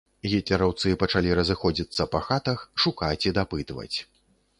Гітлераўцы пачалі разыходзіцца па хатах, шукаць і дапытваць.